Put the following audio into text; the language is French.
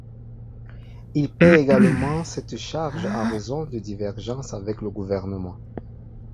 Il perd également cette charge en raison de divergences avec le gouvernement.